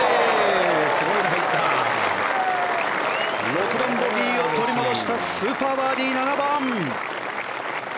６番ボギーを取り戻したスーパーバーディー、７番！